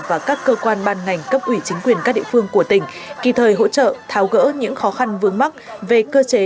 và các cơ quan ban ngành cấp ủy chính quyền các địa phương của tỉnh kỳ thời hỗ trợ tháo gỡ những khó khăn vướng mắc về cơ chế